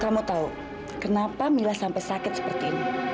kamu tahu kenapa mila sampai sakit seperti ini